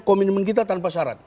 komitmen kita tanpa syarat